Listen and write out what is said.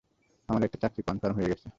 আমার একটা চাকরি কনফার্ম হয়ে গেছে!